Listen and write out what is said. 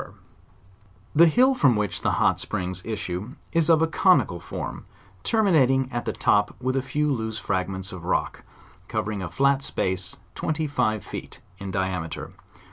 202 JOURJSAL OF The hill from which the hot springs issue is of a conicai form, terminating at the top with a few loose fragments of rock, covering a flat space twenty five feet in diameter.